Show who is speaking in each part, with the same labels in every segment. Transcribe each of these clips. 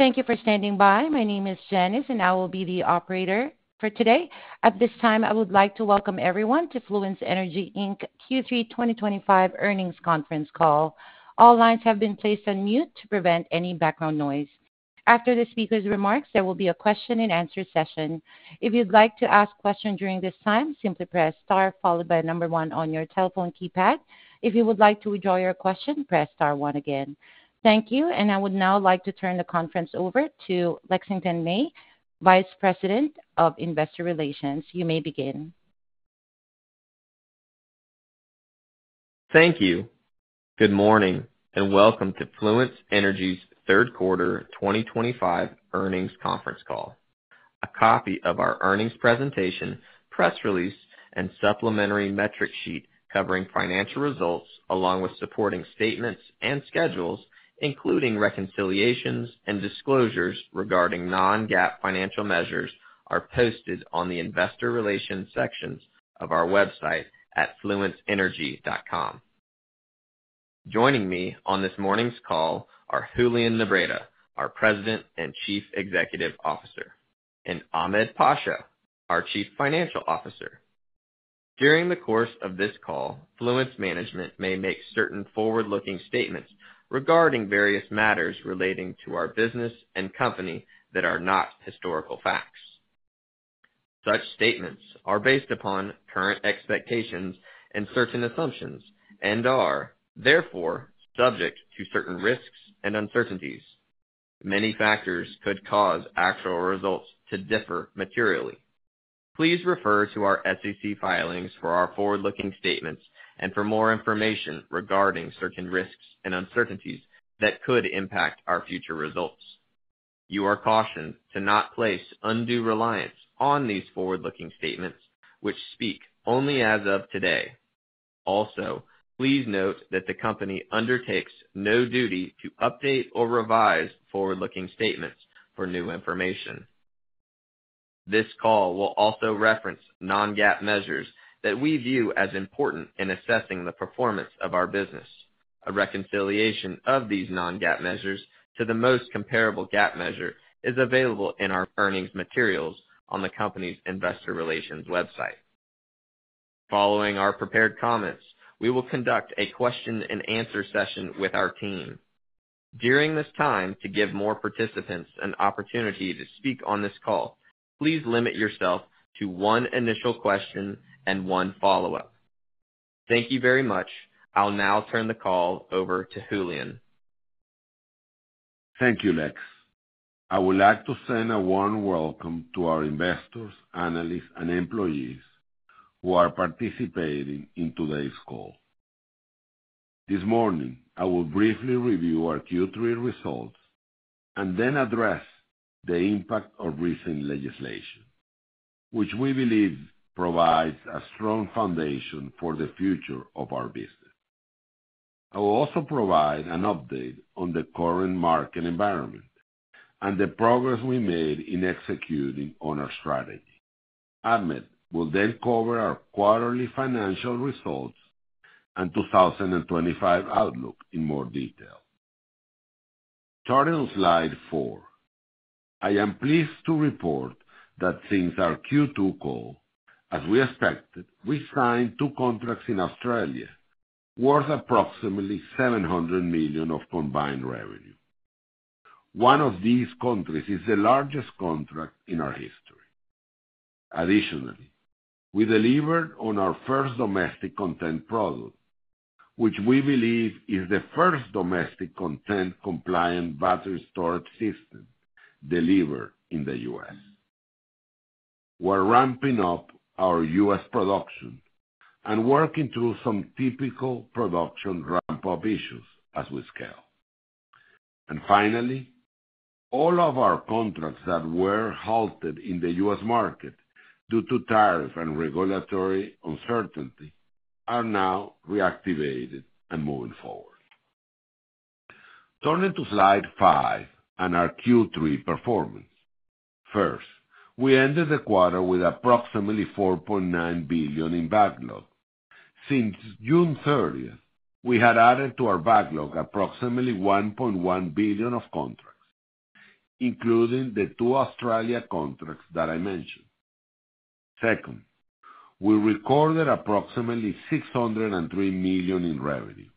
Speaker 1: Thank you for standing by. My name is Janice, and I will be the operator for today. At this time, I would like to welcome everyone to Fluence Energy, Inc. Q3 2025 earnings conference call. All lines have been placed on mute to prevent any background noise. After the speaker's remarks, there will be a question and answer session. If you'd like to ask questions during this time, simply press star followed by number one on your telephone keypad. If you would like to withdraw your question, press star one again. Thank you. I would now like to turn the conference over to Lexington May, Vice President of Investor Relations. You may begin.
Speaker 2: Thank you. Good morning and welcome to Fluence Energy's third quarter 2025 earnings conference call. A copy of our earnings presentation, press release, and supplementary metric sheet covering financial results, along with supporting statements and schedules, including reconciliations and disclosures regarding non-GAAP financial measures, are posted on the Investor Relations sections of our website at fluenceenergy.com. Joining me on this morning's call are Julian Nebreda, our President and Chief Executive Officer, and Ahmed Pasha, our Chief Financial Officer. During the course of this call, Fluence Management may make certain forward-looking statements regarding various matters relating to our business and company that are not historical facts. Such statements are based upon current expectations and certain assumptions and are, therefore, subject to certain risks and uncertainties. Many factors could cause actual results to differ materially. Please refer to our SEC filings for our forward-looking statements and for more information regarding certain risks and uncertainties that could impact our future results. You are cautioned to not place undue reliance on these forward-looking statements, which speak only as of today. Also, please note that the company undertakes no duty to update or revise forward-looking statements for new information. This call will also reference non-GAAP measures that we view as important in assessing the performance of our business. A reconciliation of these non-GAAP measures to the most comparable GAAP measure is available in our earnings materials on the company's Investor Relations website. Following our prepared comments, we will conduct a question and answer session with our team. During this time, to give more participants an opportunity to speak on this call, please limit yourself to one initial question and one follow-up. Thank you very much. I'll now turn the call over to Julian.
Speaker 3: Thank you, Lex. I would like to send a warm welcome to our investors, analysts, and employees who are participating in today's call. This morning, I will briefly review our Q3 results and then address the impact of recent legislation, which we believe provides a strong foundation for the future of our business. I will also provide an update on the current market environment and the progress we made in executing on our strategy. Ahmed will then cover our quarterly financial results and 2025 outlook in more detail. Starting on slide four, I am pleased to report that since our Q2 call, as we expected, we signed two contracts in Australia worth approximately $700 million of combined revenue. One of these contracts is the largest contract in our history. Additionally, we delivered on our first domestic content product, which we believe is the first domestic content-compliant battery storage system delivered in the U.S. We're ramping up our U.S. production and working through some typical production ramp-up issues as we scale. Finally, all of our contracts that were halted in the U.S. market due to tariff and regulatory uncertainty are now reactivated and moving forward. Turning to slide five and our Q3 performance. First, we ended the quarter with approximately $4.9 billion in backlog. Since June 30, we had added to our backlog approximately $1.1 billion of contracts, including the two Australia contracts that I mentioned. Second, we recorded approximately $603 million in revenue,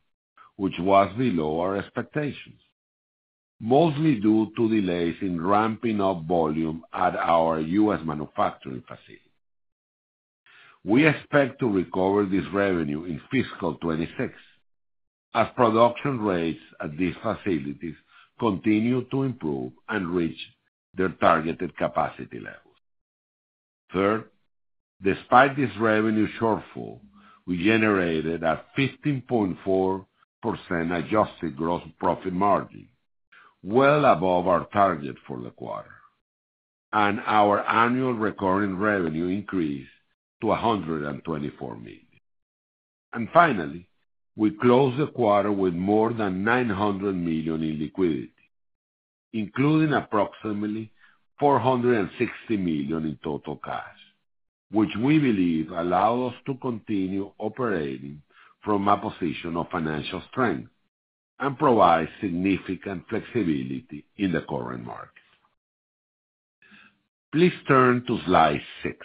Speaker 3: which was below our expectations, mostly due to delays in ramping up volume at our U.S. manufacturing facility. We expect to recover this revenue in fiscal 2026 as production rates at these facilities continue to improve and reach their targeted capacity levels. Third, despite this revenue shortfall, we generated a 15.4% adjusted gross profit margin, well above our target for the quarter, and our annual recurring revenue increased to $124 million. Finally, we closed the quarter with more than $900 million in liquidity, including approximately $460 million in total cash, which we believe allowed us to continue operating from a position of financial strength and provides significant flexibility in the current market. Please turn to slide six.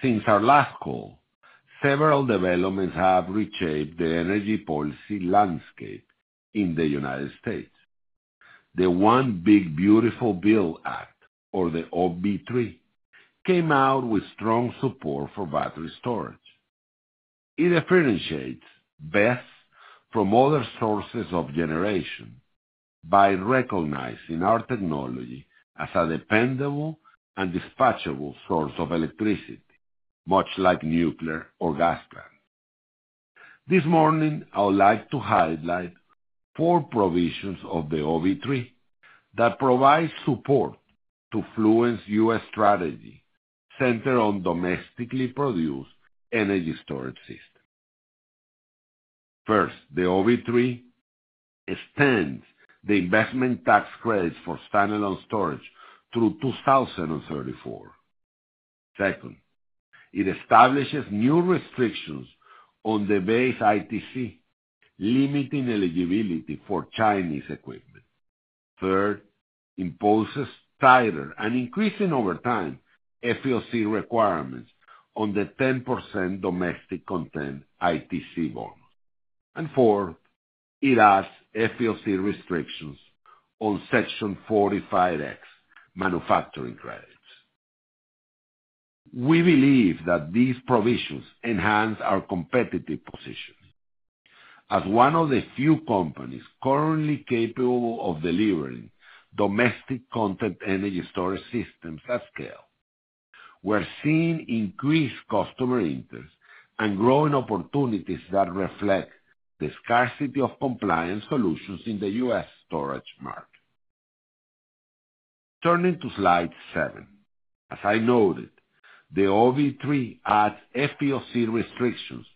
Speaker 3: Since our last call, several developments have reshaped the energy policy landscape in the United States. The One Big Beautiful Bill Act, or the OBB3, came out with strong support for battery storage. It differentiates BEST from other sources of generation by recognizing our technology as a dependable and dispatchable source of electricity, much like nuclear or gas plants. This morning, I would like to highlight four provisions of the OBB3 that provide support to Fluence's U.S. strategy centered on domestically produced energy storage systems. First, the OBB3 extends the investment tax credits for standalone storage through 2034. Second, it establishes new restrictions on the base ITC, limiting eligibility for Chinese equipment. Third, it imposes tighter and increasing over time FELC requirements on the 10% domestic content ITC bonus. Fourth, it adds FELC restrictions on Section 45(x) manufacturing credits. We believe that these provisions enhance our competitive position. As one of the few companies currently capable of delivering domestic content energy storage systems at scale, we're seeing increased customer interest and growing opportunities that reflect the scarcity of compliant solutions in the U.S. storage market. Turning to slide seven, as I noted, the OBB3 adds FELC restrictions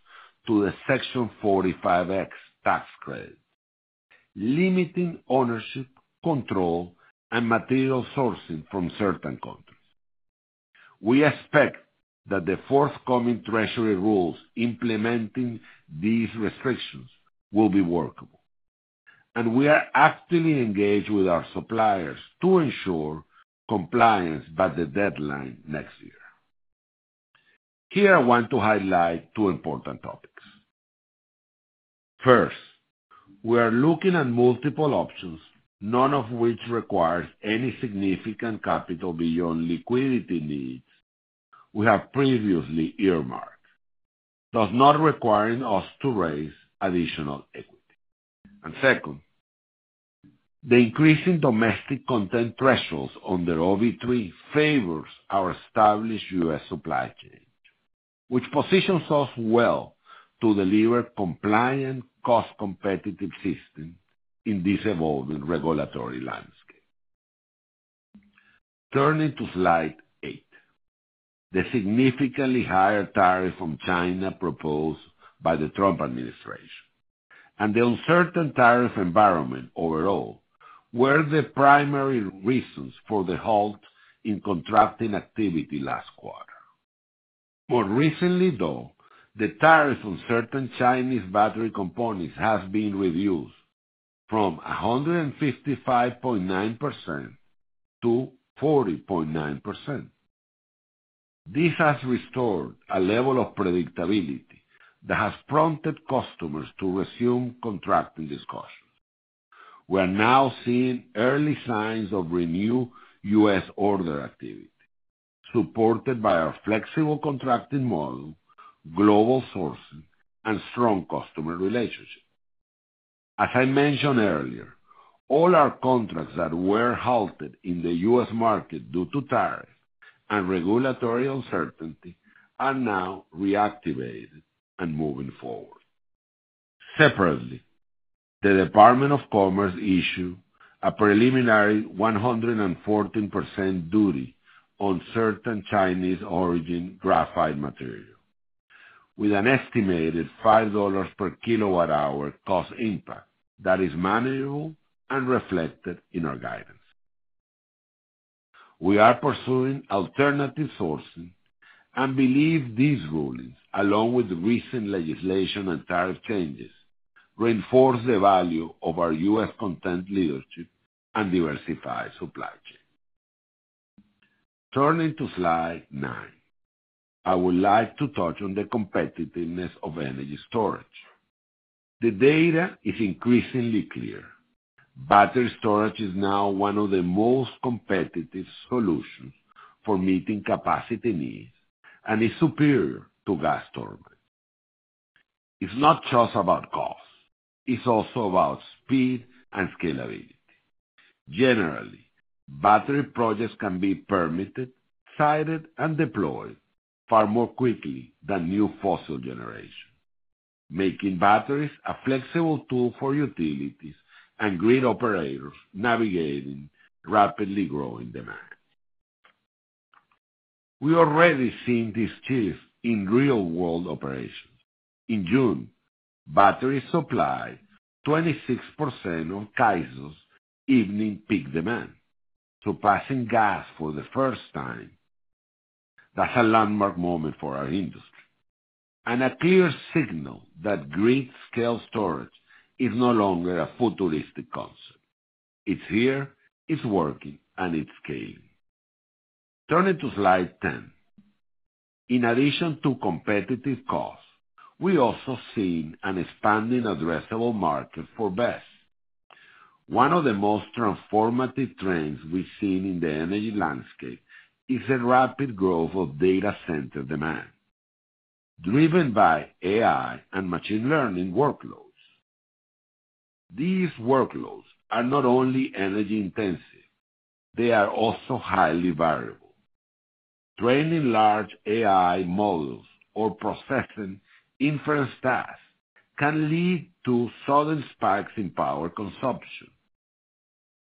Speaker 3: to the Section 45(x) tax credit, limiting ownership, control, and material sourcing from certain countries. We expect that the forthcoming Treasury rules implementing these restrictions will be workable. We are actively engaged with our suppliers to ensure compliance by the deadline next year. Here, I want to highlight two important topics. First, we are looking at multiple options, none of which requires any significant capital beyond liquidity needs we have previously earmarked, thus not requiring us to raise additional equity. Second, the increasing domestic content thresholds on the OBB3 favors our established U.S. supply chain, which positions us well to deliver compliant, cost-competitive systems in this evolving regulatory landscape. Turning to slide eight, the significantly higher tariffs on China proposed by the Trump administration and the uncertain tariff environment overall were the primary reasons for the halt in contracting activity last quarter. More recently, though, the tariffs on certain Chinese battery components have been reduced from 155.9% to 40.9%. This has restored a level of predictability that has prompted customers to resume contracting discussions. We are now seeing early signs of renewed U.S. order activity, supported by our flexible contracting model, global sourcing, and strong customer relationships. As I mentioned earlier, all our contracts that were halted in the U.S. market due to tariffs and regulatory uncertainty are now reactivated and moving forward. Separately, the Department of Commerce issued a preliminary 114% duty on certain Chinese origin graphite material, with an estimated $5 per kilowatt-hour cost impact that is manageable and reflected in our guidance. We are pursuing alternative sourcing and believe these rulings, along with recent legislation and tariff changes, reinforce the value of our U.S. content leadership and diversify supply chains. Turning to slide nine, I would like to touch on the competitiveness of energy storage. The data is increasingly clear. Battery storage is now one of the most competitive solutions for meeting capacity needs and is superior to gas turbines. It's not just about cost. It's also about speed and scalability. Generally, battery projects can be permitted, sited, and deployed far more quickly than new fossil generation, making batteries a flexible tool for utilities and grid operators navigating rapidly growing demand. We are already seeing this shift in real-world operations. In June, batteries supplied 26% of Tyson's evening peak demand, surpassing gas for the first time. That's a landmark moment for our industry and a clear signal that grid-scale storage is no longer a futuristic concept. It's here, it's working, and it's scaling. Turning to slide ten. In addition to competitive costs, we are also seeing an expanding addressable market for energy storage systems. One of the most transformative trends we've seen in the energy landscape is the rapid growth of data center demand, driven by AI and machine learning workloads. These workloads are not only energy intensive; they are also highly variable. Training large AI models or processing inference tasks can lead to sudden spikes in power consumption,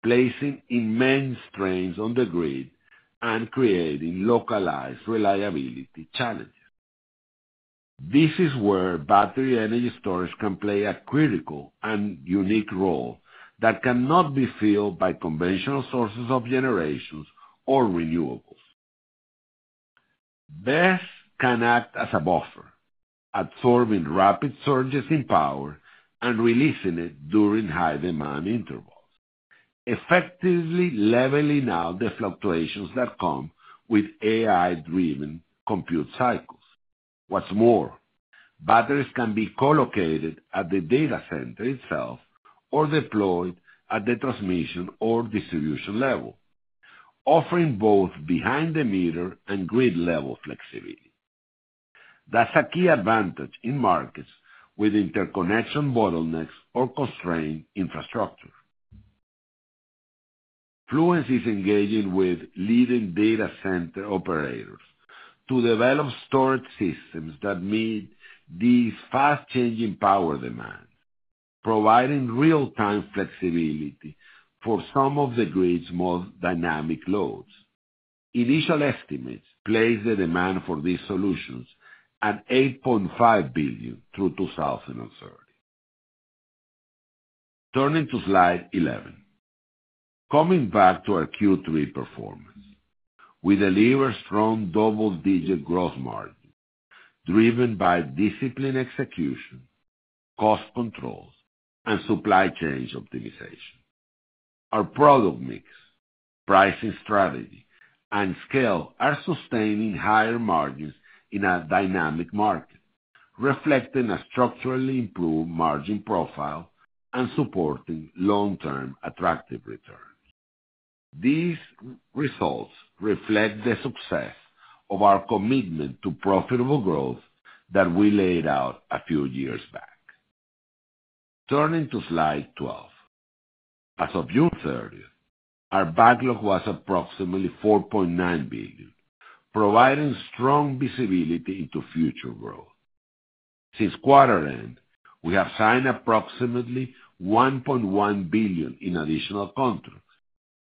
Speaker 3: placing immense strains on the grid and creating localized reliability challenges. This is where battery energy storage can play a critical and unique role that cannot be filled by conventional sources of generation or renewables. Energy storage systems can act as a buffer, absorbing rapid surges in power and releasing it during high demand intervals, effectively leveling out the fluctuations that come with AI-driven compute cycles. What's more, batteries can be collocated at the data center itself or deployed at the transmission or distribution level, offering both behind-the-meter and grid-level flexibility. That's a key advantage in markets with interconnection bottlenecks or constrained infrastructure. Fluence is engaging with leading data center operators to develop storage systems that meet these fast-changing power demands, providing real-time flexibility for some of the grid's most dynamic loads. Initial estimates place the demand for these solutions at $8.5 billion through 2030. Turning to slide 11. Coming back to our Q3 performance, we deliver strong double-digit growth margins driven by disciplined execution, cost controls, and supply chain optimization. Our product mix, pricing strategy, and scale are sustaining higher margins in a dynamic market, reflecting a structurally improved margin profile and supporting long-term attractive returns. These results reflect the success of our commitment to profitable growth that we laid out a few years back. Turning to slide 12. As of June 30, our backlog was approximately $4.9 billion, providing strong visibility into future growth. Since quarter end, we have signed approximately $1.1 billion in additional contracts,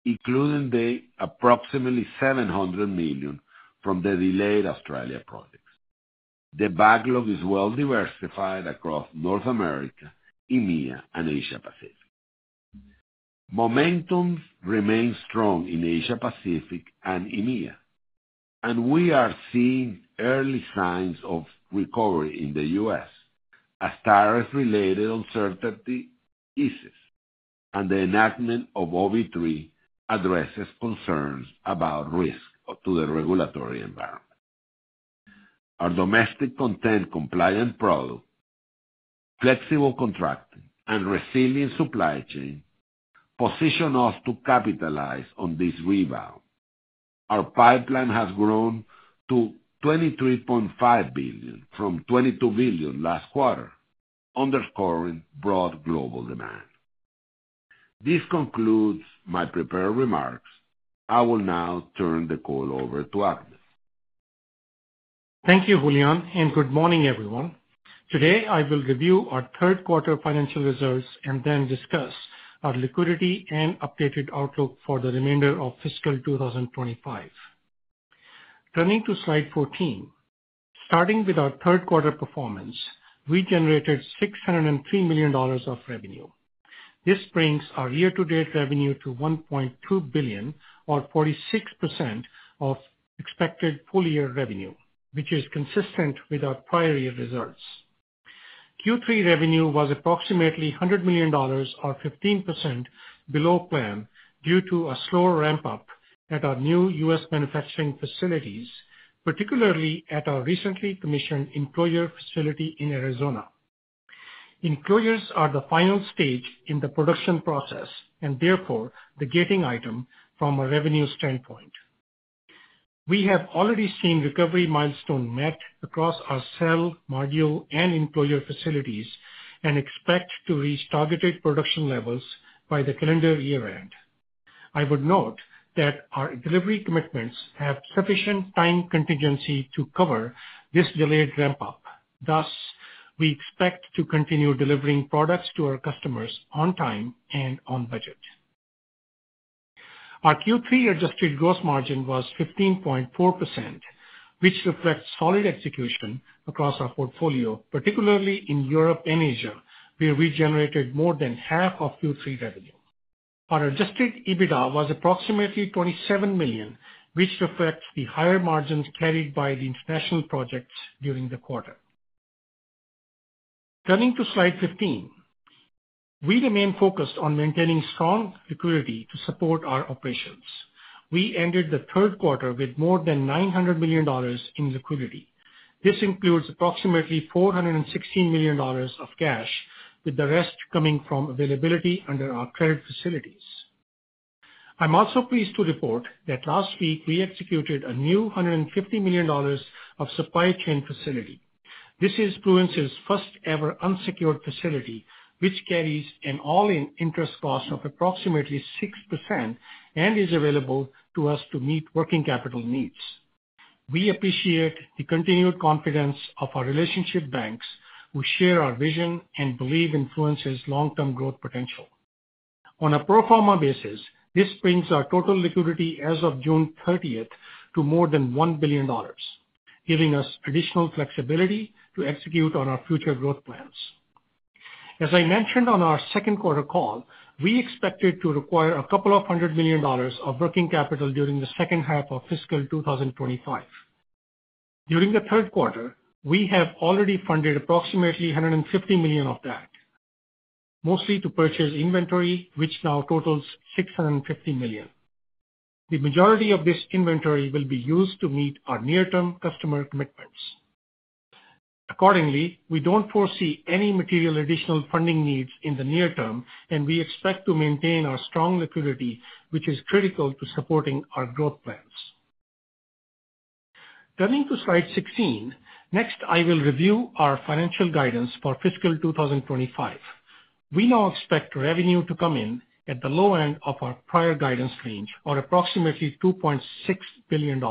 Speaker 3: including the approximately $700 million from the delayed Australia projects. The backlog is well-diversified across North America, EMEA, and Asia-Pacific. Momentum remains strong in Asia-Pacific and EMEA, and we are seeing early signs of recovery in the U.S. as tariff-related uncertainty eases and the enactment of OBB3 address concerns about risk to the regulatory environment. Our domestic content-compliant product, flexible contracting, and resilient supply chain position us to capitalize on this rebound. Our pipeline has grown to $23.5 billion from $22 billion last quarter, undercurrent broad global demand. This concludes my prepared remarks. I will now turn the call over to Ahmed.
Speaker 4: Thank you, Julian, and good morning, everyone. Today, I will review our third quarter financial results and then discuss our liquidity and updated outlook for the remainder of fiscal 2025. Turning to slide 14. Starting with our third quarter performance, we generated $603 million of revenue. This brings our year-to-date revenue to $1.2 billion, or 46% of expected full-year revenue, which is consistent with our prior year results. Q3 revenue was approximately $100 million, or 15% below plan due to a slow ramp-up at our new U.S. manufacturing facilities, particularly at our recently commissioned enclosure facility in Arizona. Enclosures are the final stage in the production process and therefore the gating item from a revenue standpoint. We have already seen recovery milestones met across our cell, module, and enclosure facilities and expect to reach targeted production levels by the calendar year end. I would note that our delivery commitments have sufficient time contingency to cover this delayed ramp-up. Thus, we expect to continue delivering products to our customers on time and on budget. Our Q3 adjusted gross margin was 15.4%, which reflects solid execution across our portfolio, particularly in Europe and Asia-Pacific, where we generated more than half of Q3 revenue. Our adjusted EBITDA was approximately $27 million, which reflects the higher margins carried by the international projects during the quarter. Turning to slide 15, we remain focused on maintaining strong liquidity to support our operations. We ended the third quarter with more than $900 million in liquidity. This includes approximately $416 million of cash, with the rest coming from availability under our credit facilities. I'm also pleased to report that last week we executed a new $150 million supply chain facility. This is Fluence Energy's first-ever unsecured facility, which carries an all-in interest cost of approximately 6% and is available to us to meet working capital needs. We appreciate the continued confidence of our relationship banks who share our vision and believe in Fluence Energy's long-term growth potential. On a pro forma basis, this brings our total liquidity as of June 30th to more than $1 billion, giving us additional flexibility to execute on our future growth plans. As I mentioned on our second quarter call, we expected to require a couple of hundred million dollars of working capital during the second half of fiscal 2025. During the third quarter, we have already funded approximately $150 million of that, mostly to purchase inventory, which now totals $650 million. The majority of this inventory will be used to meet our near-term customer commitments. Accordingly, we don't foresee any material additional funding needs in the near term, and we expect to maintain our strong liquidity, which is critical to supporting our growth plans. Turning to slide 16, next I will review our financial guidance for fiscal 2025. We now expect revenue to come in at the low end of our prior guidance range of approximately $2.6 billion.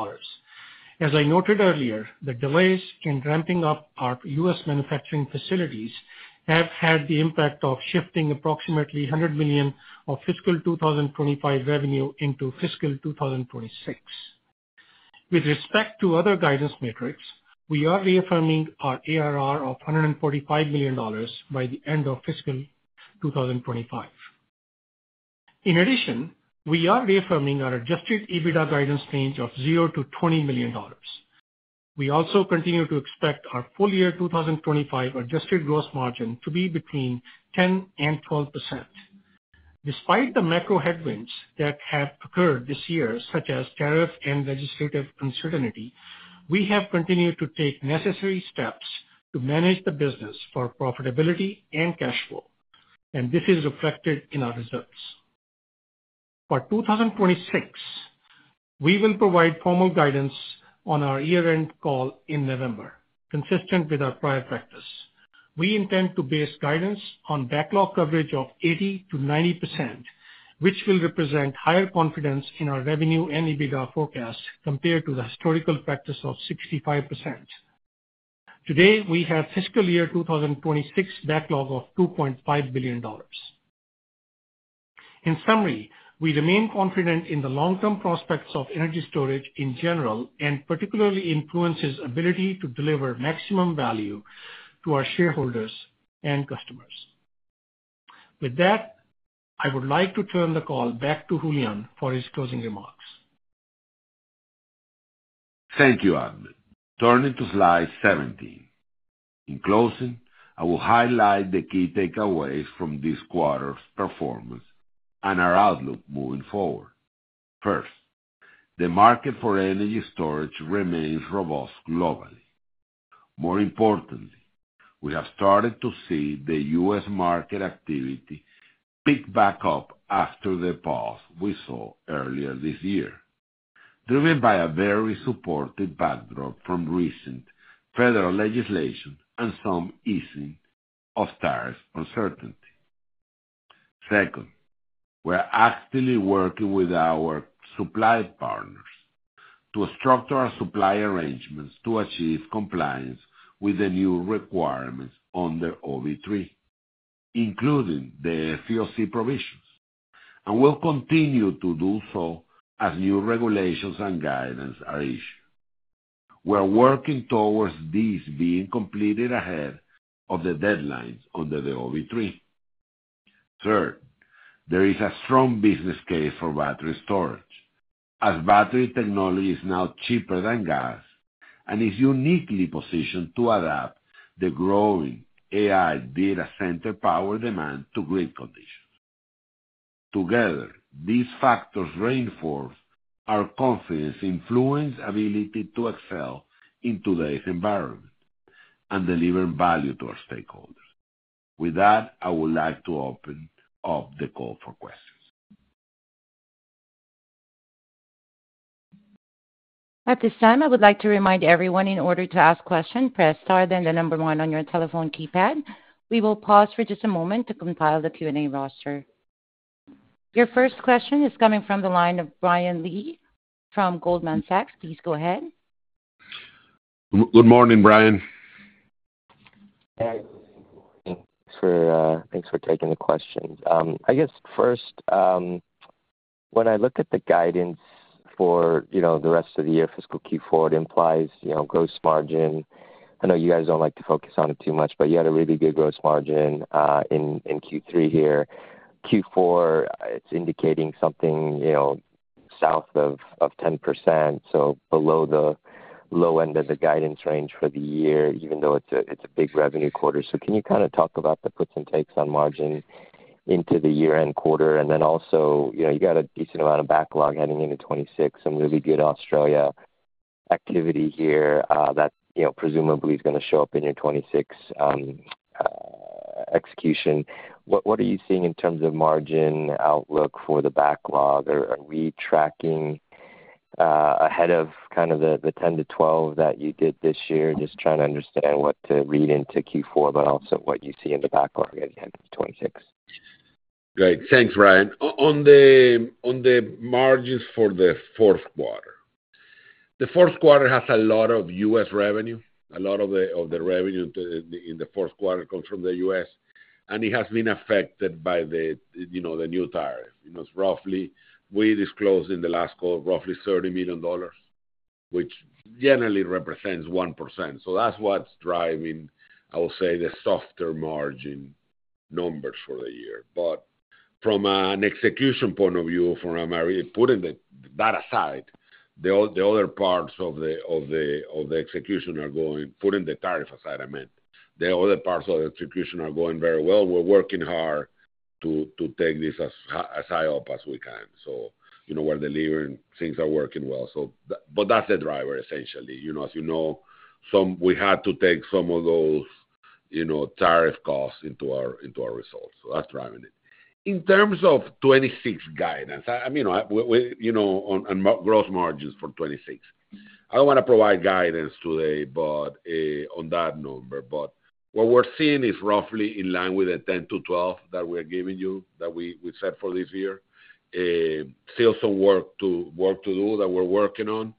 Speaker 4: As I noted earlier, the delays in ramping up our U.S. manufacturing facilities have had the impact of shifting approximately $100 million of fiscal 2025 revenue into fiscal 2026. With respect to other guidance metrics, we are reaffirming our ARR of $145 million by the end of fiscal 2025. In addition, we are reaffirming our adjusted EBITDA guidance range of $0-$20 million. We also continue to expect our full-year 2025 adjusted gross margin to be between 10% and 12%. Despite the macro headwinds that have occurred this year, such as tariffs and legislative uncertainty, we have continued to take necessary steps to manage the business for profitability and cash flow, and this is reflected in our results. For 2026, we will provide formal guidance on our year-end call in November, consistent with our prior practice. We intend to base guidance on backlog coverage of 80%-90%, which will represent higher confidence in our revenue and EBITDA forecast compared to the historical practice of 65%. Today, we have FY2026 backlog of $2.5 billion. In summary, we remain confident in the long-term prospects of energy storage in general, and particularly in Fluence's ability to deliver maximum value to our shareholders and customers. With that, I would like to turn the call back to Julian for his closing remarks.
Speaker 3: Thank you, Ahmed. Turning to slide 17. In closing, I will highlight the key takeaways from this quarter's performance and our outlook moving forward. First, the market for energy storage remains robust globally. More importantly, we have started to see the U.S. market activity pick back up after the pause we saw earlier this year, driven by a very supportive backdrop from recent federal legislation and some easing of tariff uncertainty. Second, we're actively working with our supply partners to structure our supply arrangements to achieve compliance with the new requirements under the One Big Beautiful Bill Act (OBB3), including the FELC provisions, and will continue to do so as new regulations and guidance are issued. We're working towards these being completed ahead of the deadlines under the OBB3. Third, there is a strong business case for battery storage, as battery technology is now cheaper than gas and is uniquely positioned to adapt the growing AI data center power demand to grid conditions. Together, these factors reinforce our confidence in Fluence Energy's ability to excel in today's environment and deliver value to our stakeholders. With that, I would like to open up the call for questions.
Speaker 1: At this time, I would like to remind everyone, in order to ask questions, press star then the number one on your telephone keypad. We will pause for just a moment to compile the Q&A roster. Your first question is coming from the line of Brian K. Lee from Goldman Sachs. Please go ahead.
Speaker 3: Good morning, Brian.
Speaker 5: Thanks for taking the question. I guess first, when I look at the guidance for the rest of the year, fiscal Q4, it implies gross margin. I know you guys don't like to focus on it too much, but you had a really good gross margin in Q3 here. Q4, it's indicating something south of 10%, so below the low end of the guidance range for the year, even though it's a big revenue quarter. Can you kind of talk about the puts and takes on margin into the year-end quarter? Also, you got a decent amount of backlog heading into 2026, some really good Australia activity here that presumably is going to show up in your 2026 execution. What are you seeing in terms of margin outlook for the backlog? Are we tracking ahead of the 10-12 that you did this year, just trying to understand what to read into Q4, but also what you see in the backlog at the end of 2026?
Speaker 3: Great. Thanks, Brian. On the margins for the fourth quarter, the fourth quarter has a lot of U.S. revenue. A lot of the revenue in the fourth quarter comes from the U.S., and it has been affected by the new tariff. Roughly, we disclosed in the last call roughly $30 million, which generally represents 1%. That's what's driving, I would say, the softer margin numbers for the year. From an execution point of view, putting the tariff aside, the other parts of the execution are going very well, and we're working hard to take this as high up as we can. We're delivering, things are working well. That's the driver, essentially. As you know, we had to take some of those tariff costs into our results. That's driving it. In terms of 2026 guidance, on gross margins for 2026, I don't want to provide guidance today on that number, but what we're seeing is roughly in line with the 10%-12% that we're giving you, that we set for this year. Still some work to do that we're working on,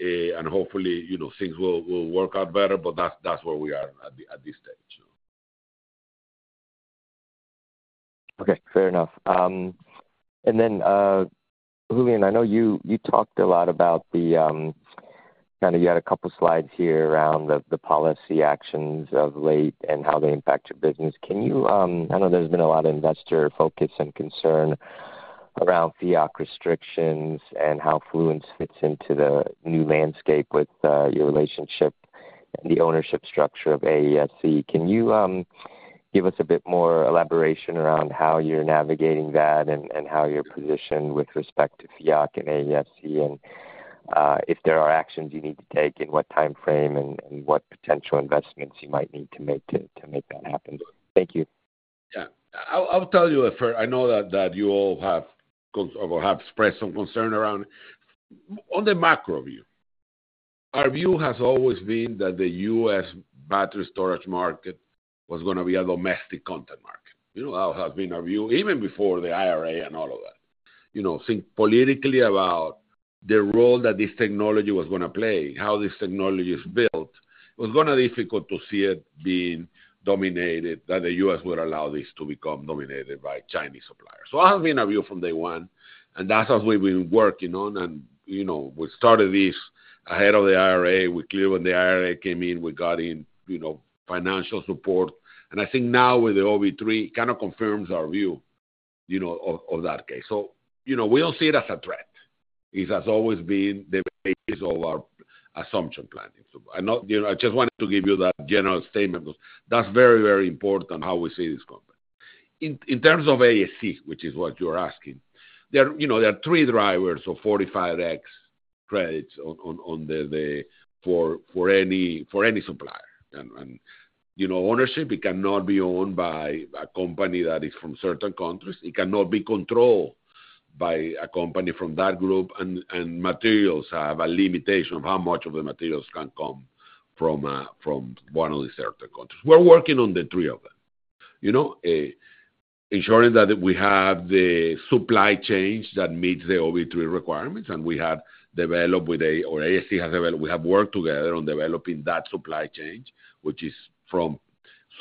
Speaker 3: and hopefully, things will work out better, but that's where we are at this stage.
Speaker 5: Okay. Fair enough. Julian, I know you talked a lot about the, I know you had a couple of slides here around the policy actions of late and how they impact your business. Can you, I know there's been a lot of investor focus and concern around FEOC restrictions and how Fluence fits into the new landscape with your relationship and the ownership structure of AESC. Can you give us a bit more elaboration around how you're navigating that and how you're positioned with respect to FEOC and AESC, and if there are actions you need to take in what timeframe and what potential investments you might need to make to make that happen? Thank you.
Speaker 3: Yeah. I'll tell you at first, I know that you all have expressed some concern around on the macro view. Our view has always been that the U.S. battery storage market was going to be a domestic content market. You know, that has been our view even before the IRA and all of that. You know, think politically about the role that this technology was going to play, how this technology is built. It was going to be difficult to see it being dominated, that the U.S. would allow this to become dominated by Chinese suppliers. That has been our view from day one, and that's what we've been working on. You know, we started this ahead of the IRA. We clearly, when the IRA came in, we got in, you know, financial support. I think now with the OBB3, it kind of confirms our view, you know, of that case. You know, we don't see it as a threat. It has always been the basis of our assumption planning. I just wanted to give you that general statement because that's very, very important how we see this context. In terms of AESC, which is what you're asking, there are three drivers of 45x credits for any supplier. Ownership, it cannot be owned by a company that is from certain countries. It cannot be controlled by a company from that group. Materials have a limitation of how much of the materials can come from one of the certain countries. We're working on the three of them, ensuring that we have the supply chain that meets the OBB3 requirements, and we have developed with AESC, we have worked together on developing that supply chain, which is from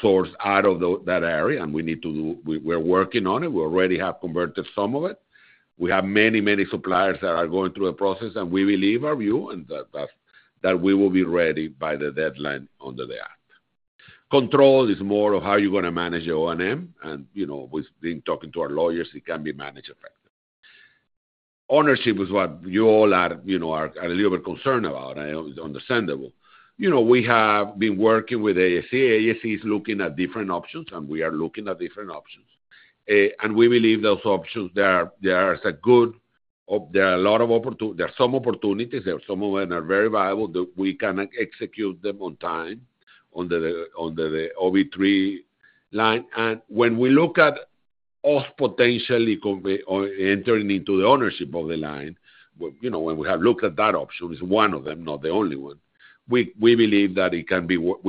Speaker 3: source out of that area. We need to do, we're working on it. We already have converted some of it. We have many, many suppliers that are going through the process, and we believe our view is that we will be ready by the deadline under the act. Control is more of how you're going to manage your O&M, and, you know, we've been talking to our lawyers, it can be managed effectively. Ownership is what you all are, you know, are a little bit concerned about. I know it's understandable. We have been working with AESC. AESC is looking at different options, and we are looking at different options. We believe those options, there are a good, there are a lot of opportunities, there are some opportunities, there are some of them that are very viable that we can execute them on time under the OBB3 line. When we look at us potentially entering into the ownership of the line, when we have looked at that option, it's one of them, not the only one. We believe that we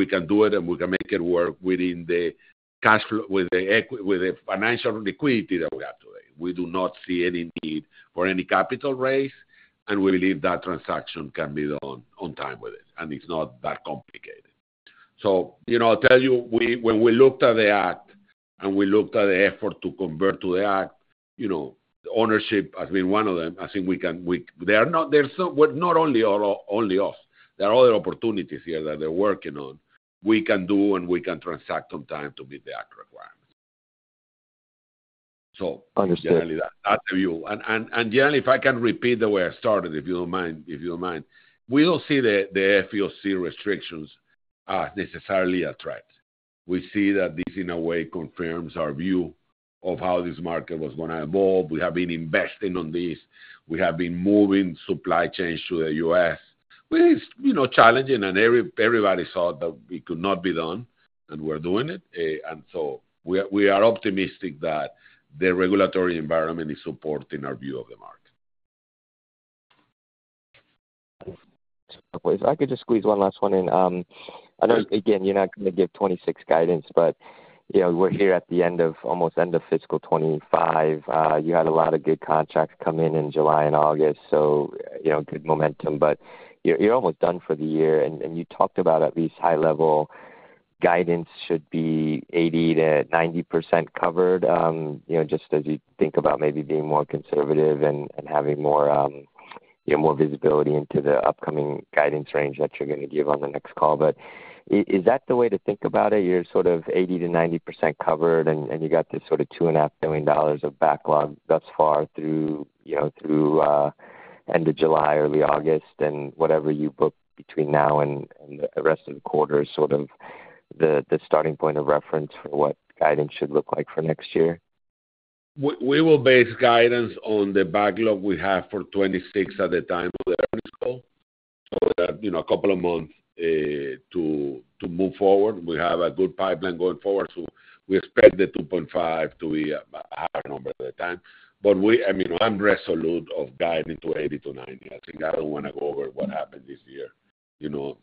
Speaker 3: can do it, and we can make it work within the cash flow, with the financial liquidity that we have today. We do not see any need for any capital raise, and we believe that transaction can be done on time with it, and it's not that complicated. When we looked at the act, and we looked at the effort to convert to the act, ownership has been one of them. I think we can, there's not only us, there are other opportunities here that they're working on. We can do, and we can transact on time to meet the act requirements. Generally, that's the view. If I can repeat the way I started, if you don't mind, we don't see the FELC restrictions as necessarily a threat. We see that this, in a way, confirms our view of how this market was going to evolve. We have been investing on this. We have been moving supply chains to the U.S., which is challenging, and everybody thought that it could not be done, and we're doing it. We are optimistic that the regulatory environment is supporting our view of the market.
Speaker 5: If I could just squeeze one last one in. I know, again, you're not going to give 2026 guidance, but you know, we're here at the end of, almost end of fiscal 2025. You had a lot of good contracts come in in July and August, so, you know, good momentum, but you're almost done for the year. You talked about at least high-level guidance should be 80 to 90% covered. Just as you think about maybe being more conservative and having more visibility into the upcoming guidance range that you're going to give on the next call, is that the way to think about it? You're sort of 80 to 90% covered, and you got this sort of $2.5 million of backlog thus far through end of July, early August, and whatever you book between now and the rest of the quarter is sort of the starting point of reference for what guidance should look like for next year?
Speaker 3: We will base guidance on the backlog we have for 2026 at the time of the fiscal. A couple of months to move forward. We have a good pipeline going forward, so we expect the 2.5 to be a higher number at the time. I'm resolute of guiding to 80-90. I think I don't want to go over what happened this year. We're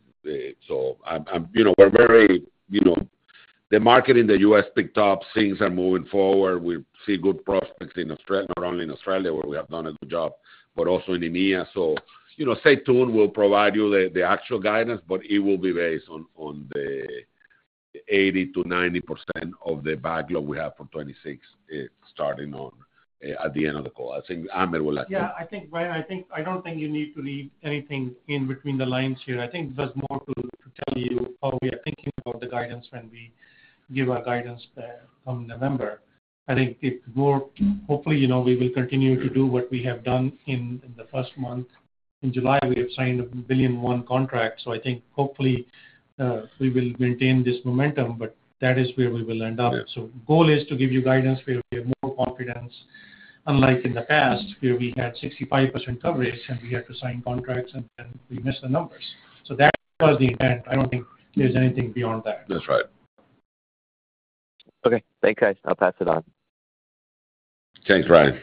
Speaker 3: very, you know, the market in the U.S. picked up. Things are moving forward. We see good prospects in Australia, not only in Australia, where we have done a good job, but also in EMEA. Stay tuned. We'll provide you the actual guidance, but it will be based on the 80-90% of the backlog we have for 2026, starting on at the end of the call. I think Ahmed will like that.
Speaker 4: Yeah, I think, Brian, I don't think you need to read anything in between the lines here. I think it's just more to tell you how we are thinking about the guidance when we give our guidance from November. I think it's more, hopefully, you know, we will continue to do what we have done in the first month. In July, we have signed a $1.1 billion contract. I think, hopefully, we will maintain this momentum, but that is where we will end up. The goal is to give you guidance where we have more confidence, unlike in the past, where we had 65% coverage and we had to sign contracts and then we missed the numbers. That's for the end. I don't think there's anything beyond that.
Speaker 3: That's right.
Speaker 5: Okay, thanks, guys. I'll pass it on.
Speaker 3: Thanks, Brian.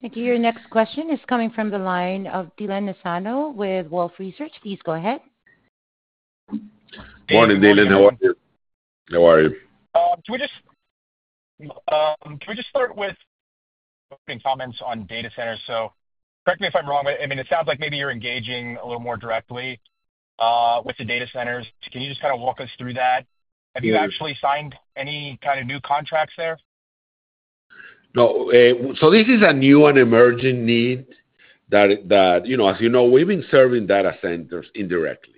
Speaker 1: Thank you. Your next question is coming from the line of Dylan Thomas Nassano with Wolfe Research. Please go ahead.
Speaker 3: Morning, Dylan. How are you?
Speaker 6: Can we start with some comments on data centers? Correct me if I'm wrong. It sounds like maybe you're engaging a little more directly with the data centers. Can you walk us through that? Have you actually signed any kind of new contracts there?
Speaker 3: No. This is a new and emerging need that, as you know, we've been serving data centers indirectly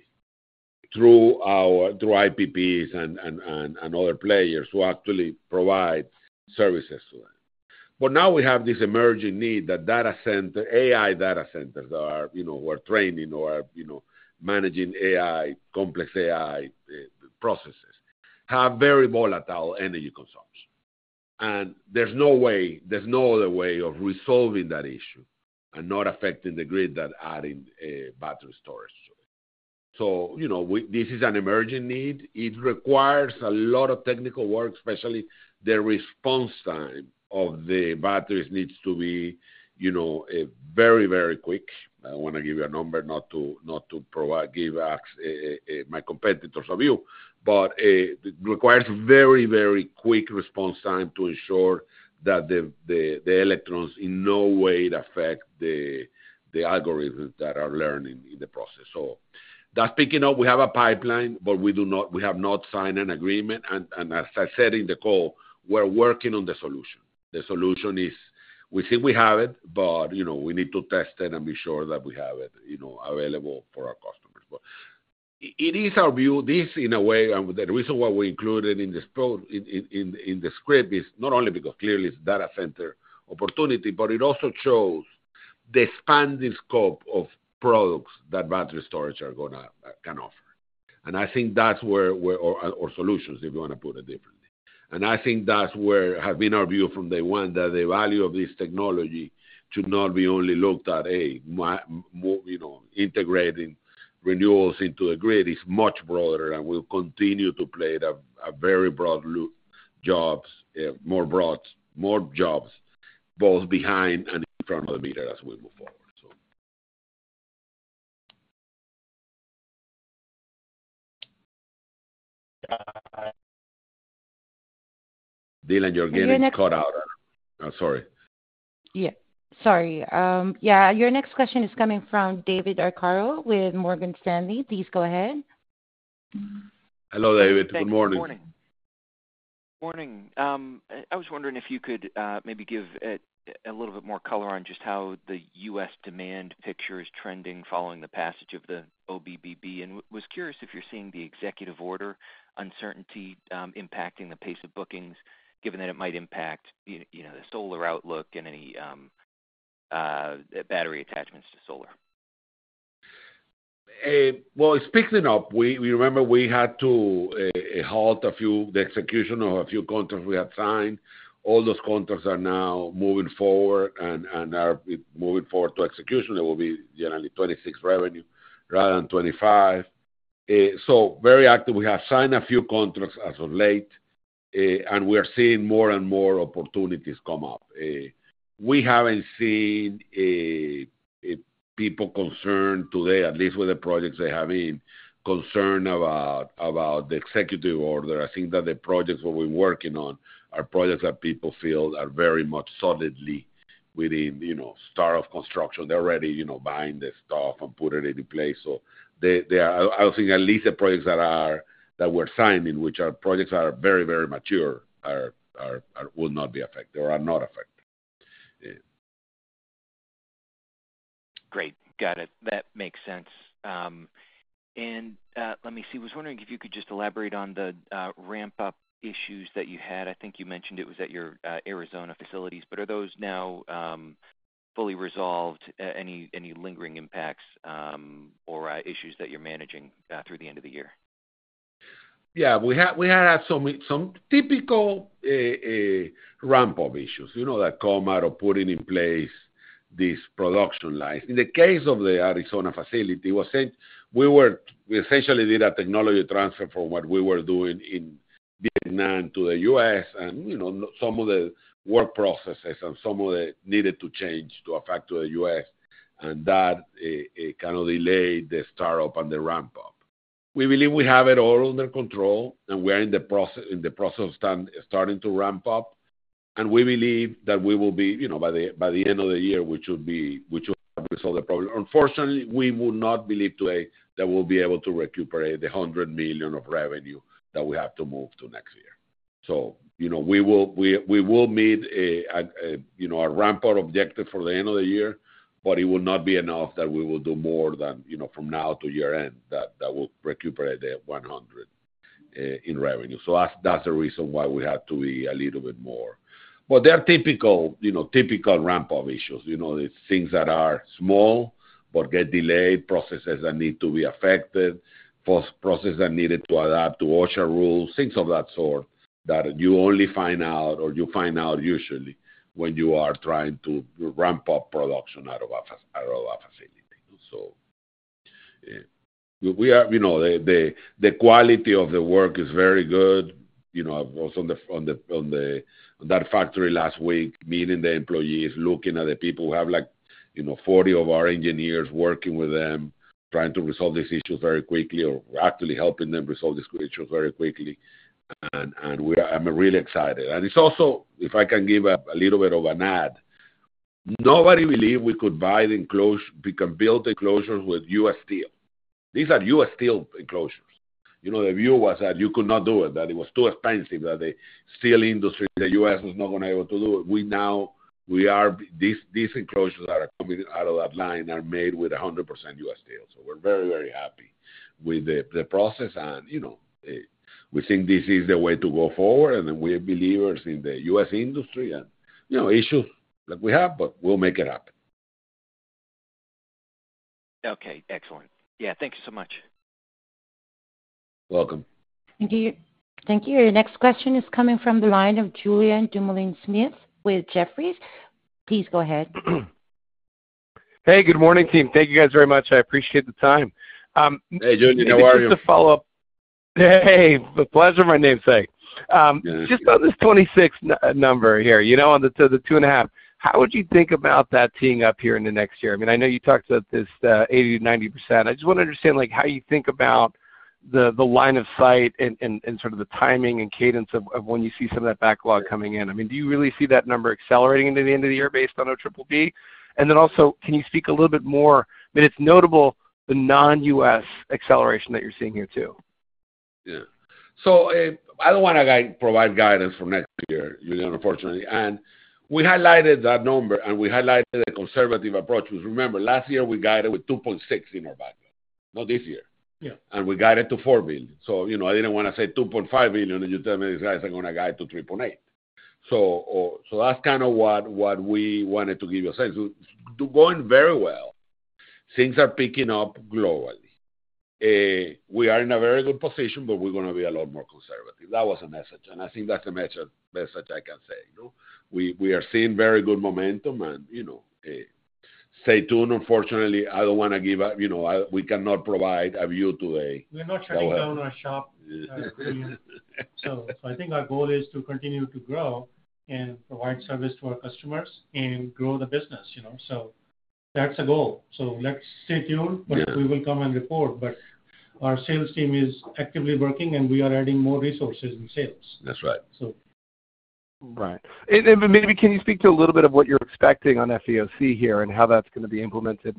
Speaker 3: through our IPPs and other players who actually provide services to them. Now we have this emerging need that data center, AI data centers that are managing AI, complex AI processes have very volatile energy consumption. There's no other way of resolving that issue and not affecting the grid by adding battery storage. This is an emerging need. It requires a lot of technical work, especially the response time of the batteries needs to be very, very quick. I don't want to give you a number, not to provide, give my competitors a view. It requires very, very quick response time to ensure that the electrons in no way affect the algorithms that are learning in the process. That's picking up. We have a pipeline, but we have not signed an agreement. As I said in the call, we're working on the solution. The solution is, we think we have it, but we need to test it and be sure that we have it available for our customers. It is our view. The reason why we included it in the script is not only because clearly it's a data center opportunity, it also shows the expanding scope of products that battery storage can offer. I think that's where, or solutions, if you want to put it differently. I think that's where has been our view from day one that the value of this technology should not be only looked at, hey, integrating renewables into the grid. It's much broader and will continue to play a very broad job, more broad, more jobs, both behind and in front of the meter as we move forward. Dylan, you're getting cut out. I'm sorry.
Speaker 1: Your next question is coming from David Keith Arcaro with Morgan Stanley. Please go ahead.
Speaker 3: Hello, David. Good morning.
Speaker 7: Morning. Morning. I was wondering if you could maybe give a little bit more color on just how the U.S. demand picture is trending following the passage of the OBB3. I was curious if you're seeing the executive order uncertainty impacting the pace of bookings, given that it might impact the solar outlook and any battery attachments to solar.
Speaker 3: Speaking up, we remember we had to halt the execution of a few contracts we had signed. All those contracts are now moving forward and are moving forward to execution. There will be generally 2026 revenue rather than 2025. Very active. We have signed a few contracts as of late, and we are seeing more and more opportunities come up. We haven't seen people concerned today, at least with the projects they have in, concern about the executive order. I think that the projects we've been working on are projects that people feel are very much solidly within, you know, start of construction. They're already, you know, buying the stuff and putting it in place. I think at least the projects that we're signing, which are projects that are very, very mature, will not be affected or are not affected.
Speaker 7: Great. Got it. That makes sense. I was wondering if you could just elaborate on the ramp-up issues that you had. I think you mentioned it was at your Arizona facilities, but are those now fully resolved? Any lingering impacts or issues that you're managing through the end of the year?
Speaker 3: Yeah. We had some typical ramp-up issues that come out of putting in place these production lines. In the case of the Arizona facility, it was said we essentially did a technology transfer from what we were doing in Vietnam to the U.S., and some of the work processes and some of it needed to change to affect the U.S., and that kind of delayed the startup and the ramp-up. We believe we have it all under control, and we are in the process of starting to ramp up. We believe that we will be, by the end of the year, we should be able to resolve the problem. Unfortunately, we would not believe today that we'll be able to recuperate the $100 million of revenue that we have to move to next year. We will meet a ramp-up objective for the end of the year, but it will not be enough that we will do more than, from now to year end, that will recuperate the $100 million in revenue. That's the reason why we had to be a little bit more. They are typical ramp-up issues. The things that are small but get delayed, processes that need to be affected, processes that needed to adapt to OSHA rules, things of that sort that you only find out or you find out usually when you are trying to ramp up production out of a facility. The quality of the work is very good. I was on that factory last week, meeting the employees, looking at the people. We have like 40 of our engineers working with them, trying to resolve these issues very quickly or actually helping them resolve these issues very quickly. I'm really excited. If I can give a little bit of an ad, nobody believed we could buy the enclosure, we can build the enclosures with U.S. steel. These are U.S. steel enclosures. The view was that you could not do it, that it was too expensive, that the steel industry in the U.S. was not going to be able to do it. We now, we are, these enclosures that are coming out of that line are made with 100% U.S. steel. We're very, very happy with the process and we think this is the way to go forward. We are believers in the U.S. industry and issues like we have, but we'll make it happen.
Speaker 7: Okay. Excellent. Thank you so much.
Speaker 3: Welcome.
Speaker 1: Thank you. Thank you. Your next question is coming from the line of Julien Patrick Dumoulin-Smith with Jefferies. Please go ahead.
Speaker 8: Hey, good morning, team. Thank you guys very much. I appreciate the time.
Speaker 3: Hey, Julian, how are you?
Speaker 8: Just a follow-up. Hey, the pleasure of my namesake.
Speaker 3: You're doing great.
Speaker 8: Just on this '26 number here, you know, on the two and a half, how would you think about that team up here in the next year? I mean, I know you talked about this 80 to 90%. I just want to understand how you think about the line of sight and sort of the timing and cadence of when you see some of that backlog coming in. I mean, do you really see that number accelerating into the end of the year based on OBB3? Also, can you speak a little bit more? I mean, it's notable the non-U.S. acceleration that you're seeing here too. Yeah. I don't want to provide guidance for next year, Julian, unfortunately. We highlighted that number and we highlighted a conservative approach. Remember, last year we guided with $2.6 billion in our backlog, not this year, and we guided to $4 billion.
Speaker 3: I didn't want to say $2.5 billion and you tell me these guys are going to guide to $3.8 billion. That's kind of what we wanted to give you a sense. It's going very well. Things are picking up globally. We are in a very good position, but we're going to be a lot more conservative. That was a message. I think that's the message I can say. We are seeing very good momentum and, you know, stay tuned. Unfortunately, I don't want to give up, you know, we cannot provide a view today.
Speaker 4: We're not trying to own our shop. I think our goal is to continue to grow and provide service to our customers and grow the business, you know. That's the goal. Let's stay tuned, we will come and report. Our sales team is actively working and we are adding more resources in sales.
Speaker 3: That's right.
Speaker 4: Right.
Speaker 8: Maybe can you speak to a little bit of what you're expecting on FELC here and how that's going to be implemented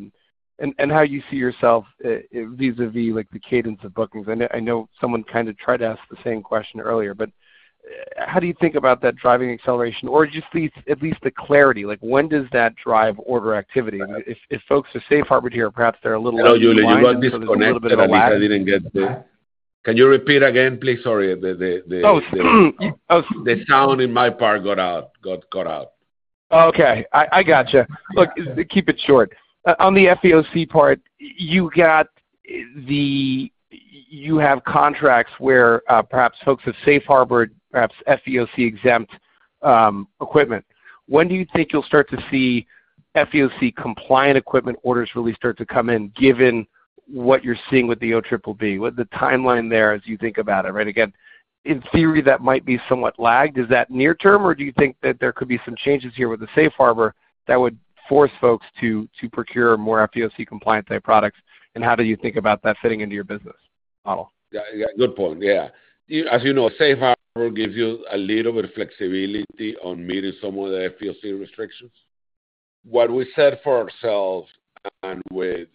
Speaker 8: and how you see yourself vis-à-vis like the cadence of bookings? I know someone kind of tried to ask the same question earlier, but how do you think about that driving acceleration or just at least the clarity? Like when does that drive order activity? If folks are safe harbored here, perhaps they're a little less.
Speaker 3: No, Julian, you got disconnected a little bit. I didn't get the... Can you repeat again, please, sorry?
Speaker 8: Oath.
Speaker 3: The sound in my part got cut out.
Speaker 8: Oh, okay. I gotcha. Look, keep it short. On the FELC part, you have contracts where perhaps folks have safe harbored, perhaps FELC exempt equipment. When do you think you'll start to see FELC compliant equipment orders really start to come in given what you're seeing with the OBB3? What the timeline there is, you think about it, right? In theory, that might be somewhat lagged. Is that near term or do you think that there could be some changes here with the safe harbor that would force folks to procure more FELC compliant type products? How do you think about that fitting into your business model?
Speaker 3: Good point. Yeah. As you know, safe harbor gives you a little bit of flexibility on meeting some of the FELC restrictions. What we said for ourselves and with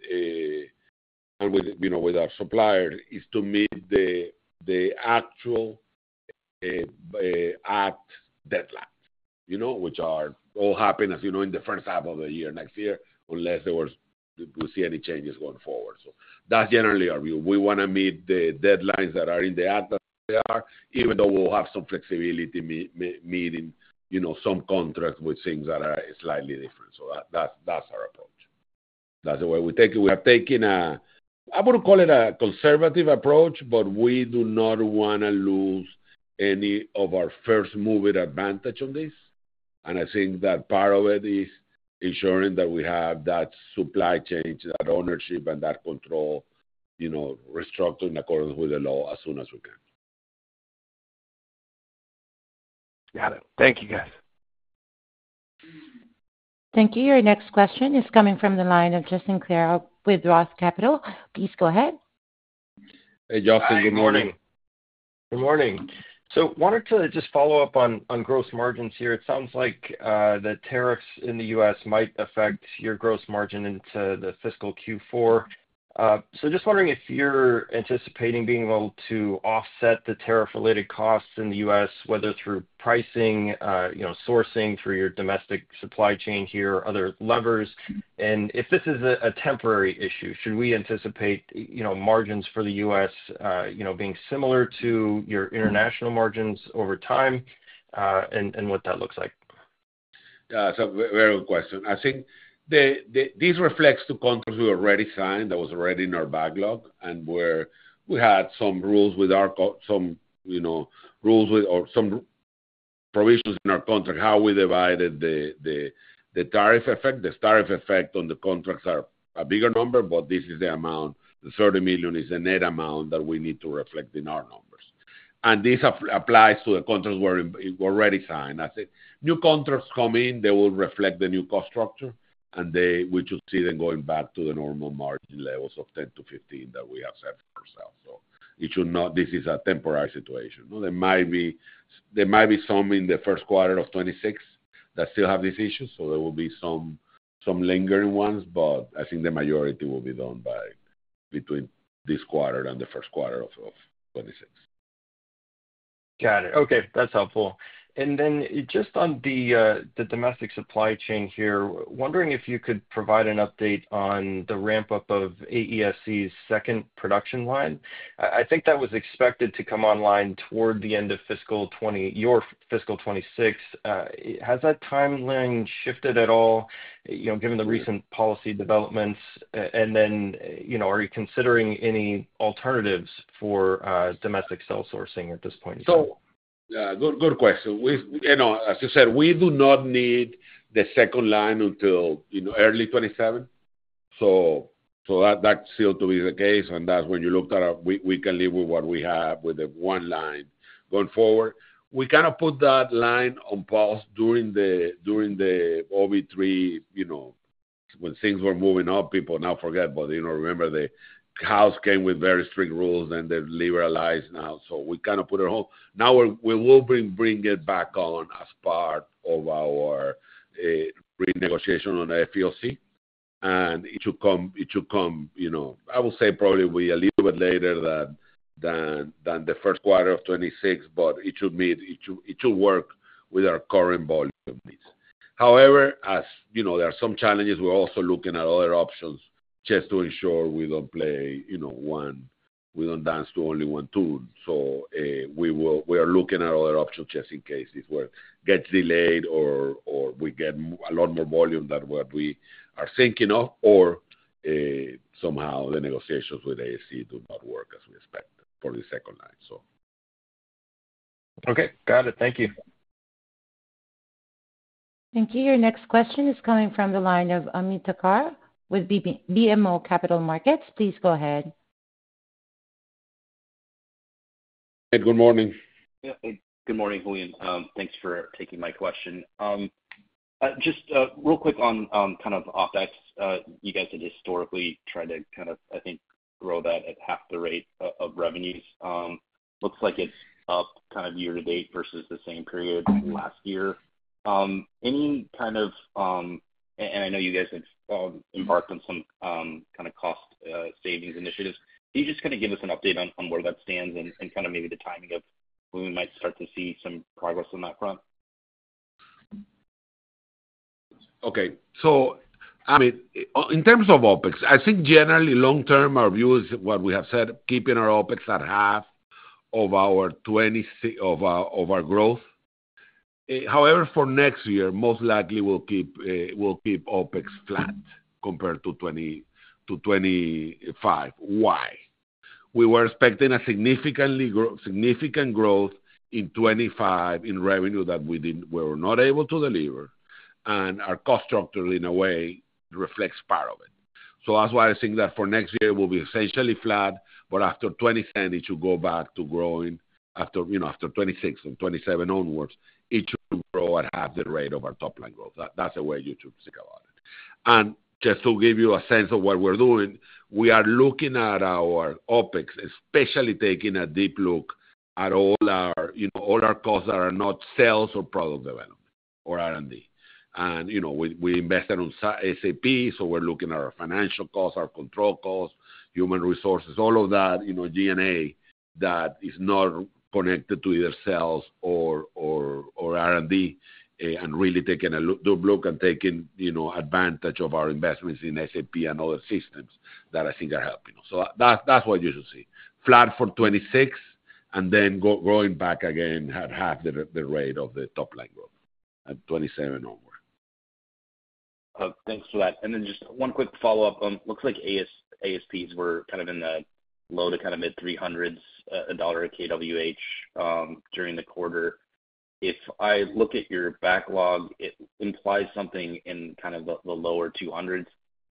Speaker 3: our suppliers is to meet the actual act deadlines, which all happen, as you know, in the first half of the year next year, unless we see any changes going forward. That's generally our view. We want to meet the deadlines that are in the act as they are, even though we'll have some flexibility meeting some contracts with things that are slightly different. That's our approach. That's the way we take it. We have taken a, I wouldn't call it a conservative approach, but we do not want to lose any of our first-moving advantage on this. I think that part of it is ensuring that we have that supply chain, that ownership, and that control, restructured in accordance with the law as soon as we can.
Speaker 8: Got it. Thank you, guys.
Speaker 1: Thank you. Your next question is coming from the line of Justin Lars Clare with ROTH Capital Partners. Please go ahead.
Speaker 3: Hey, Justin. Good morning.
Speaker 9: Good morning. I wanted to just follow up on gross margins here. It sounds like the tariffs in the U.S. might affect your gross margin into the fiscal Q4. I'm just wondering if you're anticipating being able to offset the tariff-related costs in the U.S., whether through pricing, sourcing through your domestic supply chain here, or other levers. If this is a temporary issue, should we anticipate margins for the U.S. being similar to your international margins over time and what that looks like?
Speaker 3: Yeah, it's a very good question. I think these reflect two contracts we already signed that were already in our backlog and where we had some rules or some provisions in our contract, how we divided the tariff effect. The tariff effect on the contracts is a bigger number, but this is the amount. The $30 million is the net amount that we need to reflect in our numbers. This applies to the contracts we already signed. I think new contracts come in, they will reflect the new cost structure, and we should see them going back to the normal margin levels of 10%-15% that we have set for ourselves. It should not, this is a temporary situation. There might be some in the first quarter of 2026 that still have these issues. There will be some lingering ones, but I think the majority will be done by between this quarter and the first quarter of 2026.
Speaker 9: Got it. Okay. That's helpful. Just on the domestic supply chain here, wondering if you could provide an update on the ramp-up of AESC's second production line. I think that was expected to come online toward the end of fiscal 2026. Has that timeline shifted at all, given the recent policy developments? Are you considering any alternatives for domestic cell sourcing at this point?
Speaker 3: Yeah, good question. As you said, we do not need the second line until early 2027. That is still the case. When you look at it, we can live with what we have with the one line going forward. We kind of put that line on pause during the OBB3, when things were moving up. People now forget, but they don't remember the House came with very strict rules and they liberalized now. We kind of put it on pause. Now we will bring it back on as part of our renegotiation on the FELC. It should come, I will say, probably be a little bit later than the first quarter of 2026, but it should work with our current volume needs. However, as you know, there are some challenges. We're also looking at other options just to ensure we don't play, you know, we don't dance to only one tune. We are looking at other options just in case this work gets delayed or we get a lot more volume than what we are thinking of, or somehow the negotiations with AESC do not work as we expect for the second line.
Speaker 9: Okay. Got it. Thank you.
Speaker 1: Thank you. Your next question is coming from the line of Ameet Ishwar Thakkar with BMO Capital Markets. Please go ahead.
Speaker 3: Hey, good morning.
Speaker 10: Yeah. Good morning, Julian. Thanks for taking my question. Just real quick on kind of OpEx, you guys had historically tried to kind of, I think, grow that at half the rate of revenues. Looks like it's up kind of year-to-date versus the same period last year. I know you guys have embarked on some kind of cost savings initiatives. Can you just kind of give us an update on where that stands and maybe the timing of when we might start to see some progress on that front?
Speaker 3: Okay. In terms of OpEx, I think generally long-term, our view is what we have said, keeping our OpEx at half of our growth. However, for next year, most likely we'll keep OpEx flat compared to 2025. Why? We were expecting a significant growth in 2025 in revenue that we were not able to deliver, and our cost structure, in a way, reflects part of it. That's why I think that for next year, it will be essentially flat. After 2027, it should go back to growing after, you know, after 2026 and 2027 onwards, it should grow at half the rate of our top line growth. That's the way you should think about it. Just to give you a sense of what we're doing, we are looking at our OpEx, especially taking a deep look at all our costs that are not sales or product development or R&D. We invested on SAP, so we're looking at our financial costs, our control costs, human resources, all of that G&A that is not connected to either sales or R&D, and really taking a good look and taking advantage of our investments in SAP and other systems that I think are helping. That's what you should see. Flat for 2026, and then growing back again at half the rate of the top line growth at 2027 onward.
Speaker 10: Thanks, Vlad. Just one quick follow-up. It looks like AESPs were kind of in the low to mid-$300 a KWH during the quarter. If I look at your backlog, it implies something in the lower $200s.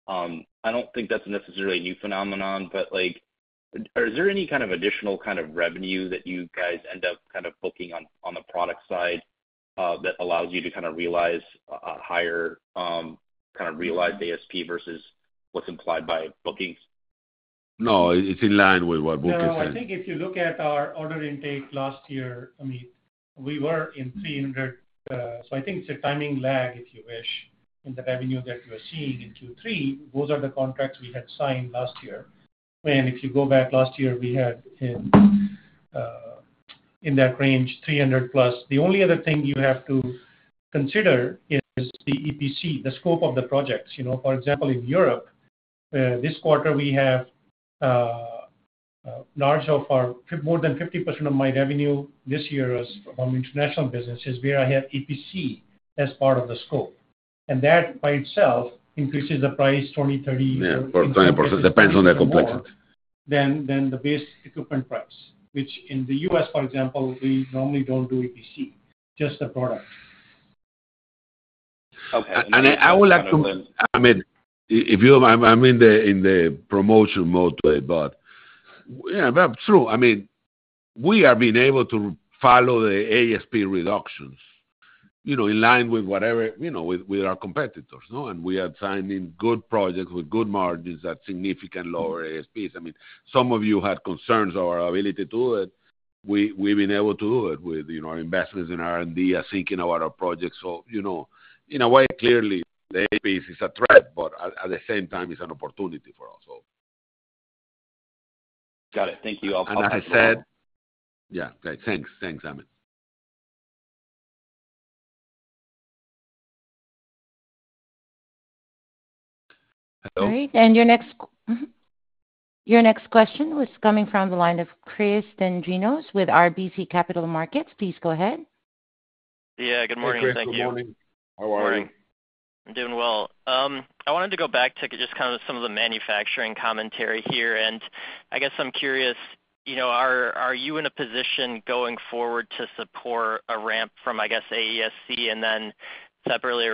Speaker 10: I don't think that's necessarily a new phenomenon, but is there any additional revenue that you guys end up booking on the product side that allows you to realize a higher realized AESP versus what's implied by bookings?
Speaker 3: No, it's in line with what we're looking at.
Speaker 4: No, I think if you look at our order intake last year, I mean, we were in $300 million. I think it's a timing lag, if you wish, in the revenue that we're seeing in Q3. Those are the contracts we had signed last year. If you go back last year, we had in that range $300 million plus. The only other thing you have to consider is the EPC, the scope of the projects. For example, in Europe, this quarter we have large, more than 50% of my revenue this year from international business is where I have EPC as part of the scope. That by itself increases the price 20%, 30% years.
Speaker 3: Yeah, 20%. It depends on the complexity.
Speaker 10: The base equipment price, which in the U.S., for example, we normally don't do EPC, just the product.
Speaker 3: Okay. I would like to, I mean, I'm in the promotion mode too, but yeah, true. We are being able to follow the ASP reductions in line with whatever, you know, with our competitors. We are signing good projects with good margins at significantly lower ASPs. Some of you had concerns over our ability to do it. We've been able to do it with our investments in R&D, I'm thinking about our projects. In a way, clearly, the ASP is a threat, but at the same time, it's an opportunity for us all.
Speaker 10: Got it. Thank you.
Speaker 3: As I said, thanks. Thanks, Ameet.
Speaker 1: Great. Your next question is coming from the line of Christopher J. Dendrinos with RBC Capital Markets. Please go ahead.
Speaker 11: Good morning. Thank you.
Speaker 3: Good morning. How are you?
Speaker 11: I'm doing well. I wanted to go back to just kind of some of the manufacturing commentary here. I'm curious, are you in a position going forward to support a ramp from, I guess, AESC? Separately,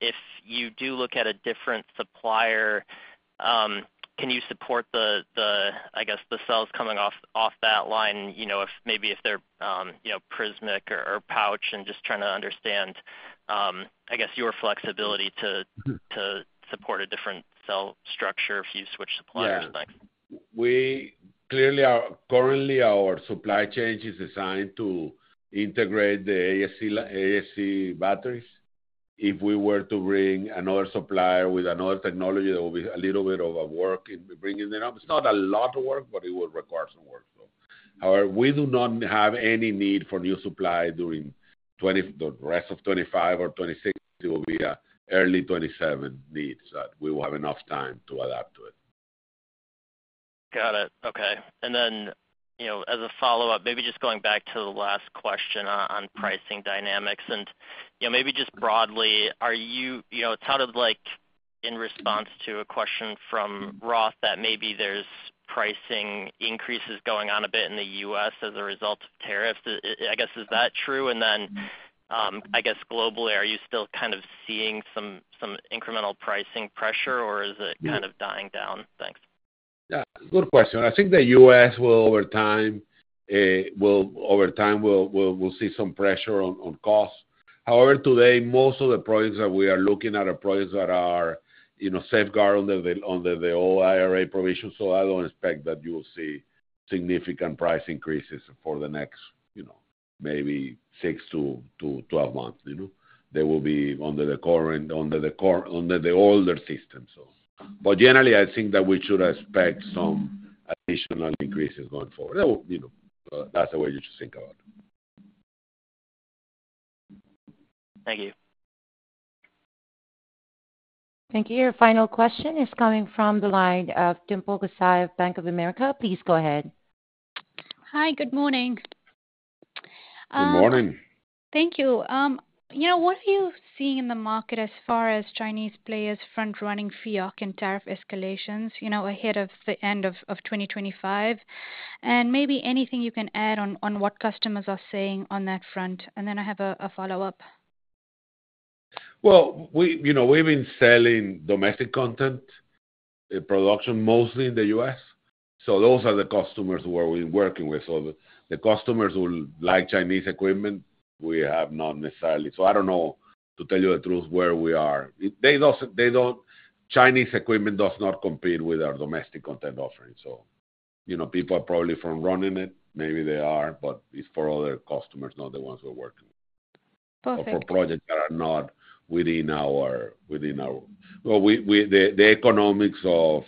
Speaker 11: if you do look at a different supplier, can you support the cells coming off that line? Maybe if they're Prismic or Pouch, just trying to understand your flexibility to support a different cell structure if you switch suppliers.
Speaker 3: Yeah. We clearly are currently, our supply chain is designed to integrate the AESC batteries. If we were to bring another supplier with another technology, there will be a little bit of work in bringing it up. It's not a lot of work, but it will require some workflow. However, we do not have any need for new supply during the rest of 2025 or 2026. It will be an early 2027 need that we will have enough time to adapt to it.
Speaker 11: Got it. Okay. As a follow-up, maybe just going back to the last question on pricing dynamics. Maybe just broadly, are you, you know, it sounded like in response to a question from ROTH Capital Partners that maybe there's pricing increases going on a bit in the U.S. as a result of tariffs. I guess, is that true? I guess, globally, are you still kind of seeing some incremental pricing pressure, or is it kind of dying down? Thanks.
Speaker 3: Good question. I think the U.S. will, over time, see some pressure on costs. However, today, most of the projects that we are looking at are projects that are safeguarded under the old IRA provision. I don't expect that you will see significant price increases for the next, you know, maybe 6-12 months. They will be under the current, under the older system. Generally, I think that we should expect some additional increases going forward. That's the way you should think about it.
Speaker 11: Thank you.
Speaker 1: Thank you. Your final question is coming from the line of Dimple Gosai of Bank of America. Please go ahead.
Speaker 12: Hi, good morning.
Speaker 3: Good morning.
Speaker 12: Thank you. What are you seeing in the market as far as Chinese players front-running FELC and tariff escalations ahead of the end of 2025? Maybe anything you can add on what customers are saying on that front. I have a follow-up.
Speaker 3: We have been selling domestic content production mostly in the U.S. Those are the customers who we have been working with. The customers who like Chinese equipment, we have not necessarily. I don't know, to tell you the truth, where we are. Chinese equipment does not compete with our domestic content offering. People are probably front-running it. Maybe they are, but it's for other customers, not the ones we are working with.
Speaker 12: Perfect.
Speaker 3: For projects that are not within our, the economics of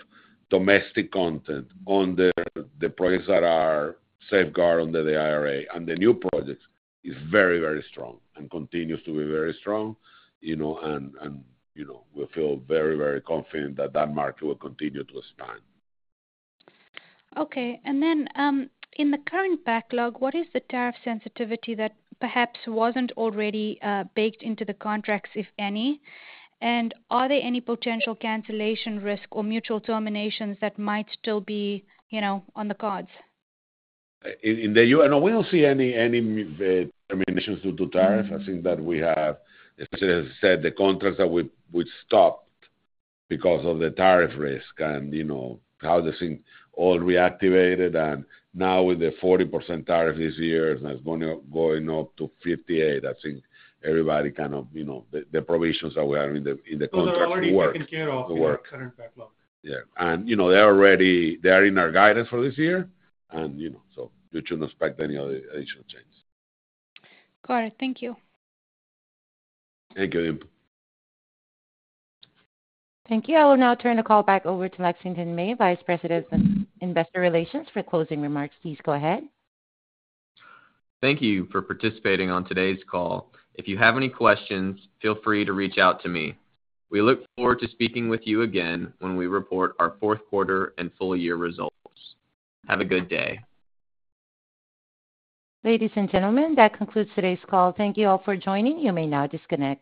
Speaker 3: domestic content under the projects that are safeguarded under the IRA and the new projects is very, very strong and continues to be very strong. You know, we feel very, very confident that that market will continue to expand.
Speaker 12: Okay. In the current backlog, what is the tariff sensitivity that perhaps wasn't already baked into the contracts, if any? Are there any potential cancellation risks or mutual terminations that might still be on the cards?
Speaker 3: In the U.S., no, we don't see any terminations due to tariff. I think that we have, as I said, the contracts that we stopped because of the tariff risk and how the thing all reactivated. Now with the 40% tariff this year, it's going up to 58%. I think everybody kind of, you know, the provisions that we have in the contracts work.
Speaker 4: I'll take care of the current backlog.
Speaker 3: They are ready, they are in our guidance for this year, so you shouldn't expect any other additional changes.
Speaker 12: Got it. Thank you.
Speaker 3: Thank you, Dimple.
Speaker 1: Thank you. I will now turn the call back over to Lexington May, Vice President of Investor Relations, for closing remarks. Please go ahead.
Speaker 2: Thank you for participating on today's call. If you have any questions, feel free to reach out to me. We look forward to speaking with you again when we report our fourth quarter and full-year results. Have a good day.
Speaker 1: Ladies and gentlemen, that concludes today's call. Thank you all for joining. You may now disconnect.